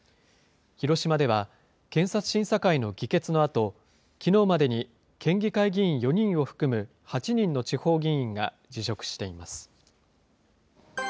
広島では、検察審査会の議決のあと、きのうまでに県議会議員４人を含む８人の地方議員が辞職しています。